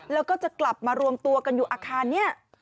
แล้วก็จะกลับมารวมตัวกันอยู่อาคารนี้